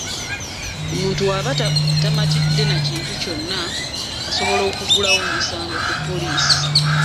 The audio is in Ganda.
Omuntu bwaba tamatidde na kintu kyonna, asobola okuggulawo omusango ku poliisi.